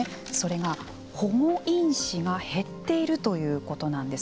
それが、保護因子が減っているということなんです。